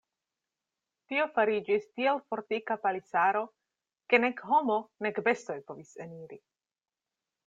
Tio fariĝis tiel fortika palisaro, ke nek homo nek bestoj povis eniri.